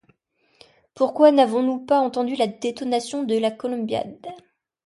Pourquoi n’avons-nous pas entendu la détonation de la Columbiad?